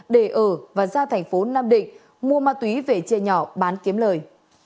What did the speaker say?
để ở và ra thành phố nam định mua ma túy về chia nhỏ bán kiếm lời